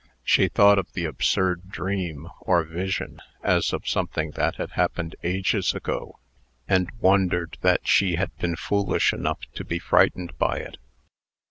She thought of the absurd dream, or vision, as of something that had happened ages ago, and wondered that she had been foolish enough to be frightened by it.